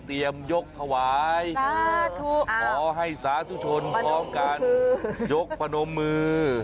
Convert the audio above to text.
เตรียมยกถวายขอให้สาธุชนพร้อมกันยกประนมมือ